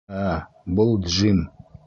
Ә, был Джим!